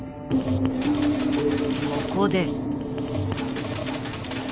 そこで。